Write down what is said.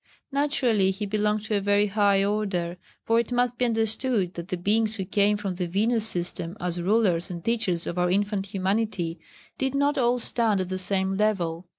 Naturally he belonged to a very high order, for it must be understood that the Beings who came from the Venus system as rulers and teachers of our infant humanity did not all stand at the same level.